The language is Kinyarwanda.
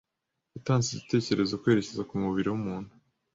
yatanze igitekerezo kwerekeza kumubiri wumuntu